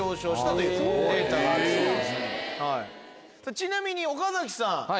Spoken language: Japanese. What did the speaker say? ちなみに岡崎さん。